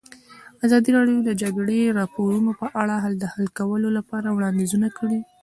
ازادي راډیو د د جګړې راپورونه په اړه د حل کولو لپاره وړاندیزونه کړي.